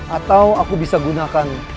atau aku bisa gunakan